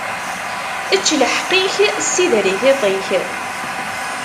Ečč lḥeqq-ik, sider i tiṭ-ik.